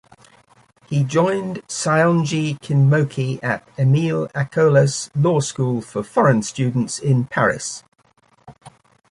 He joined Saionji Kinmochi at Emile Acollas' Law School for foreign students in Paris.